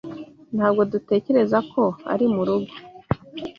Ntabwo dutekereza ko ari murugo.